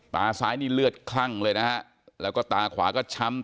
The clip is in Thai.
ตาซ้ายนี่เลือดคลั่งเลยนะฮะแล้วก็ตาขวาก็ช้ำ